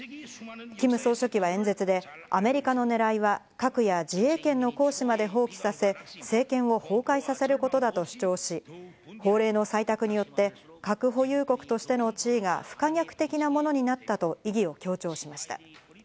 キム総書記は演説で、アメリカの狙いは核や自衛権の行使まで放棄させ、政権を崩壊させることだと主張し、法令の採択によって核保有国としての地位が不可逆的なものになったと意義を強調しました。